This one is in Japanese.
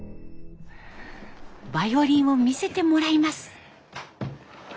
バイオリンを見せてもらいます。